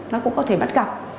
nó cũng có thể bắt gặp